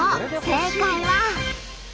正解は。